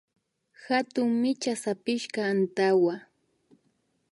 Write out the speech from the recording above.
Hatun micha sapishka antawa